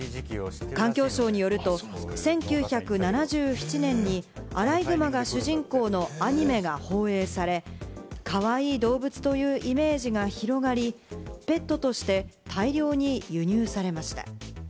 環境省によると１９７７年にアライグマが主人公のアニメが放映され、かわいい動物というイメージが広がり、ペットとして大量に輸入されました。